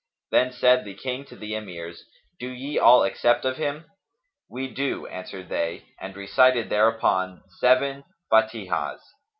Then said the King to the Emirs, "Do ye all accept of him?" "We do," answered they and recited thereupon seven Fαtihahs.